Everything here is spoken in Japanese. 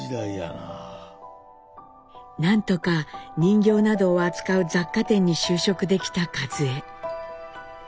何とか人形などを扱う雑貨店に就職できた和江。